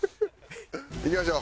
いきましょう。